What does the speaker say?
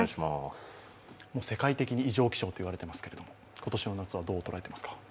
世界的に異常気象と言われていますが、今年の夏はどう捉えていますか。